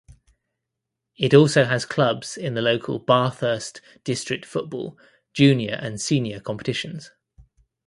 It also has clubs in the local Bathurst District Football junior and senior competitions.